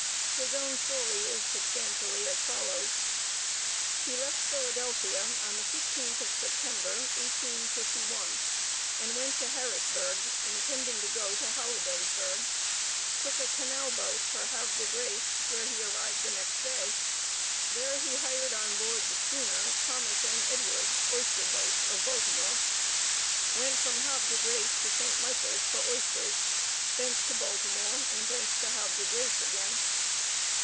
His own story is substantially as follows: He left Philadelphia on the 15th of September, 1851, and went to Harrisburg, intending to go to Hollidaysburg; took a canal boat for Havre de Grace, where he arrived next day. There he hired on board the schooner Thomas and Edward (oyster boat), of Baltimore. Went from Havre de Grace to St. Michael's, for oysters, thence to Baltimore, and thence to Havre de Grace again.